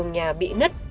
nhà bị nứt